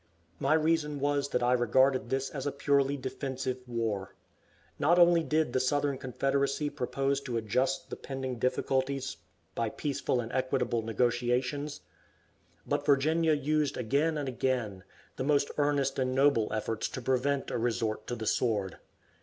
My reason was that I regarded this as a purely defensive war. Not only did the Southern Confederacy propose to adjust the pending difficulties by peaceful and equitable negotiations, but Virginia used again and again the most earnest and noble efforts to prevent a resort to the sword.